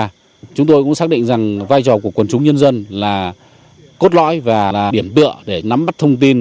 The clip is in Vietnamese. trong những năm qua chúng tôi cũng xác định rằng vai trò của quần chúng nhân dân là cốt lõi và điểm tựa để nắm bắt thông tin